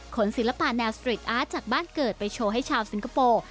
ศิลปะแนวสตรีทอาร์ตจากบ้านเกิดไปโชว์ให้ชาวสิงคโปร์